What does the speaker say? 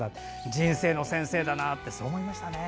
人生の先生だなと思いましたね。